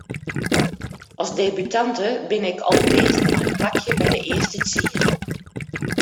As debutante bin ik al bliid mei in plakje by de earste tsien.